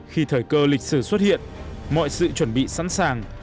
khi thời cơ lịch sử xuất hiện mọi sự chuẩn bị sẵn sàng